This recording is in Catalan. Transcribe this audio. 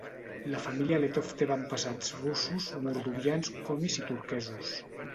La família Letov té avantpassats russos, mordovians, komis i turquesos.